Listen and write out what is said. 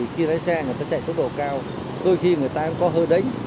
khi lái xe người ta chạy tốc độ cao đôi khi người ta cũng có hơi đánh